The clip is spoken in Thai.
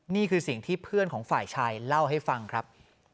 นี่คือสิ่งที่เพื่อนของฝ่ายชายเล่าให้ฟังครับ